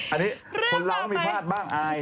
อันนี้คนเราก็มีพลาดบ้างอาย